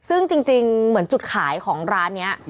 ซึ่งจริงเหมือนจุดขายของร้านนี้